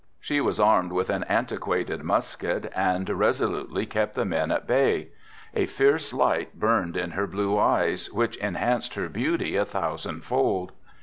She was armed with an antiquated musket and resolutely kept the men at bay. A fierce light burned in her blue eyes which enhanced her beauty a thousand fold.